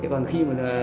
còn khi mà